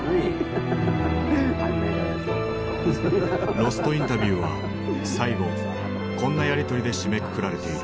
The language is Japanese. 「ロスト・インタビュー」は最後こんなやり取りで締めくくられている。